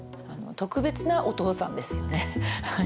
特別なお父さんですよね。